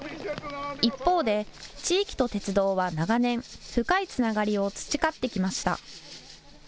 一方で地域と鉄道は長年深いつながりを培ってきました。